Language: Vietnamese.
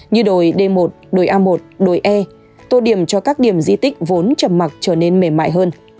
như đồi d một đồi a một đồi e tô điểm cho các điểm di tích vốn trầm mặc trở nên mềm mại hơn